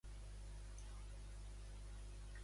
XV serà exposada al Museu de Lleida.